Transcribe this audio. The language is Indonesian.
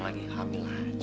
mau tanya konfirmasi